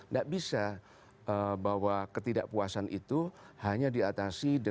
nggak bisa bahwa ketidakpuasan itu hanya di atas sisi